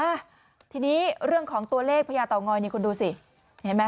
ในพื้นที่อ่ะทีนี้เรื่องของตัวเลขพระยาต่างอยนี้คุณดูสิเห็นไหม